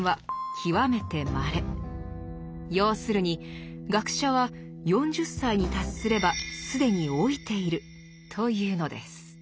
要するに「学者は４０歳に達すれば既に老いている」というのです。